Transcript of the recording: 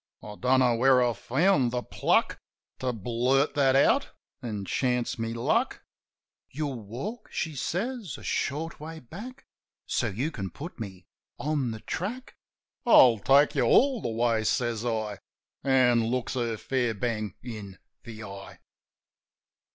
I don't know where I found the pluck To blurt that out an' chance my luck. 60 JIM OF THE HILLS "You'll walk," she says, "a short way back, So you can put me on the track?" "I'll take you all the way," says I, An' looks her fair bang in the eye.